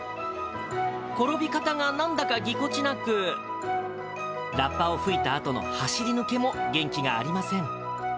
転び方がなんだかぎこちなく、ラッパを吹いたあとの走り抜けも元気がありません。